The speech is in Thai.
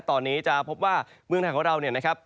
ตอนนี้จะพบว่าเมืองไทยของเรา